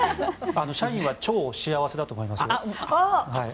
社員は超幸せだと思いますよ。